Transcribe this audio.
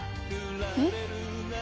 えっ？